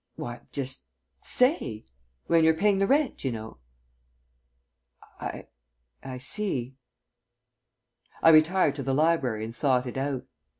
"Why, just say. When you're paying the rent, you know." "I I see." I retired to the library and thought it out.